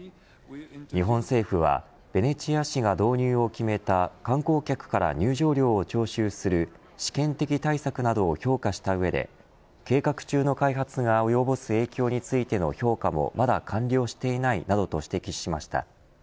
日本政府はベネチア市が導入を決めた観光客から入場料を徴収する試験的対策などを評価した上で計画中の開発が及ぼす影響についての評価もまだ完了していないなどと指摘しました。